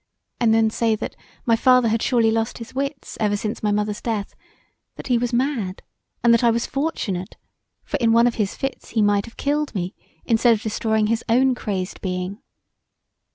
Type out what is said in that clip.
And then say that my father had surely lost his wits ever since my mother's death; that he was mad and that I was fortunate, for in one of his fits he might have killed me instead of destroying his own crazed being.